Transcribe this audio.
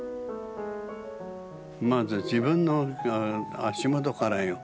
まず自分の足元からよ。